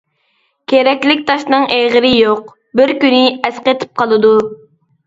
«كېرەكلىك تاشنىڭ ئېغىرى يوق» ، بىر كۈنى ئەسقېتىپ قالىدۇ.